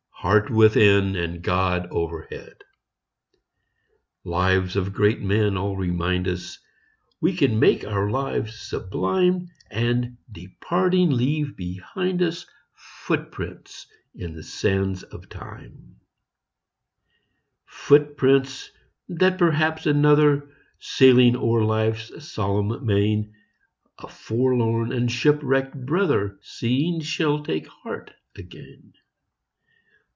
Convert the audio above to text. Heart within, and God o'erhead ! A PSALM OF LIFE. Lives of great men all remind us We can make our lives sublime, And, departing, leave behind us Footsteps on the sands of time ; Footsteps, that perhaps another, Sailing o'er life's solemn main, A forlorn and shipwrecked brother, Seeing, shall take heart again.